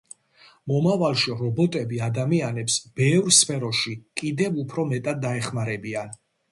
მომავალში რობოტები ადამიანებს ბევრ სფეროში კიდევ უფრო მეტად დაეხმარებიან.